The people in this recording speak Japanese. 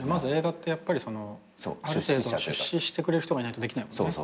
映画ってやっぱりそのある程度出資してくれる人がいないとできないもんね。